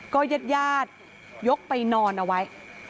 ก็ยัดยกไปนอนเอาไว้